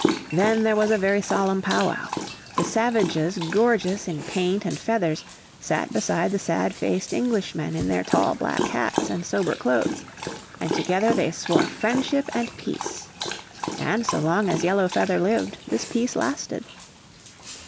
Then there was a very solemn pow wow; the savages gorgeous in paint and feathers sat beside the sad faced Englishmen in their tall black hats and sober clothes, and together they swore friendship and peace. And so long as Yellow Feather lived this peace lasted.